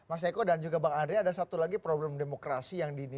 mas eko dan juga bang andri ada satu lagi problem demokrasi yang di ini